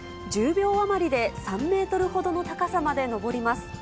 １０秒余りで３メートルほどの高さまで登ります。